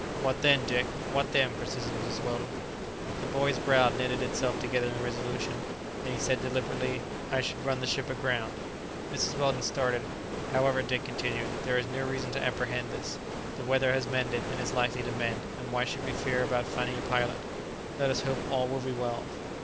"What then, Dick, what then?" persisted Mrs. Weldon. The boy's brow knitted itself together in resolution, and he said deliberately, "I should run the ship aground." Mrs. Weldon started. "However," Dick continued, "there is no reason to apprehend this. The weather has mended and is likely to mend. And why should we fear about finding a pilot? Let us hope all will be well."